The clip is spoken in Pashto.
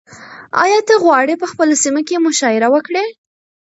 ایا ته غواړې په خپله سیمه کې مشاعره وکړې؟